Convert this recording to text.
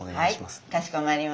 はいかしこまりました。